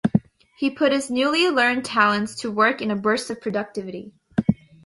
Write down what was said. He put his newly learned talents to work in a burst of productivity.